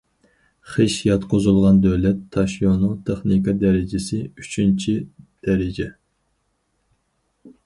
خىش ياتقۇزۇلغان دۆلەت تاشيولىنىڭ تېخنىكا دەرىجىسى ئۈچىنچى دەرىجە.